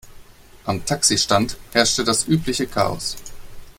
Am Taxistand herrschte das übliche Chaos.